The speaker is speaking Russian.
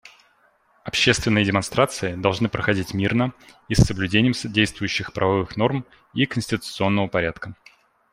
Общественные демонстрации должны проходить мирно и с соблюдением действующих правовых норм и конституционного порядка.